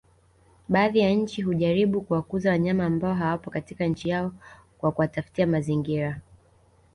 Baadhi ya nchi hujaribu kuwakuza wanyama ambao hawapo katika nchi yao kwa kuwatafutia mazingira